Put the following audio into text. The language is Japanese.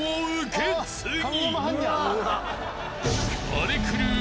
［荒れ狂う